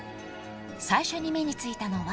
［最初に目についたのは］